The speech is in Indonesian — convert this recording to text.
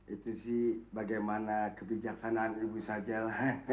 itu sih bagaimana kebijaksanaan ibu sajel